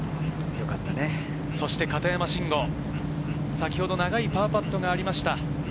片山晋呉、先ほど長いパーパットがありました。